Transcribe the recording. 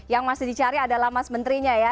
yang masih dicari adalah mas menterinya ya